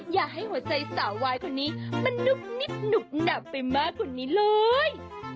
อย่าให้หัวใจสาววายคนนี้มันนุบนิดหนุบหนับไปมากกว่านี้เลย